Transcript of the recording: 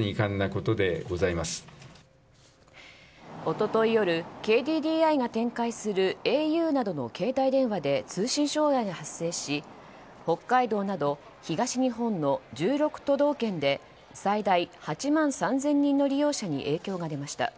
一昨日夜、ＫＤＤＩが展開するａｕなどの携帯電話で通信障害が発生し北海道など東日本の１６都道県で最大８万３０００人の利用者に影響が出ました。